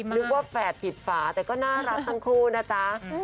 นึกว่าแฝดผิดฝาแต่ก็น่ารักทั้งคู่นะจ๊ะ